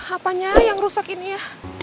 apanya yang rusak ini ya